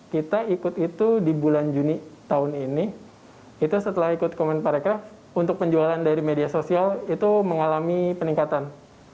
kita ikut itu di bulan juni tahun ini itu setelah ikut kemen parekraf untuk penjualan dari media sosial itu mengalami peningkatan